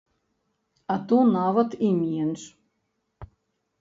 А то нават і менш.